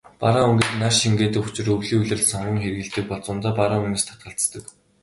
Бараан өнгийг нар шингээдэг учир өвлийн улиралд сонгон хэрэглэдэг бол зундаа бараан өнгөнөөс татгалздаг.